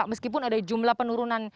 meskipun ada jumlah penurunan